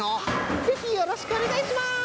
ぜひよろしくおねがいします！